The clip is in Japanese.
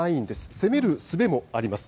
攻めるすべもあります。